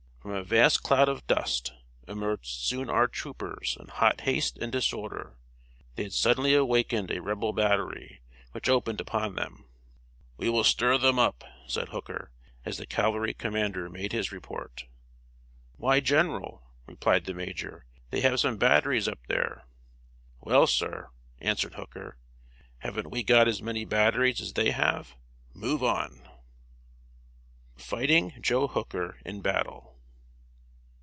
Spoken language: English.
From a vast cloud of dust, emerged soon our troopers in hot haste and disorder. They had suddenly awakened a Rebel battery, which opened upon them. "We will stir them up," said Hooker, as the cavalry commander made his report. "Why, General," replied the major, "they have some batteries up there!" "Well, sir," answered Hooker, "haven't we got as many batteries as they have? Move on!" [Illustration: OPENING OF THE BATTLE OF ANTIETAM. GENERAL HOOKER.] [Sidenote: "FIGHTING JOE HOOKER" IN BATTLE.